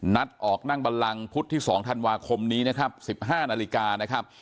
นัดออกนั่งบันลังพุธที่๒ธันวาคมนี้นะครับ๑๕นาฬิกานะครับ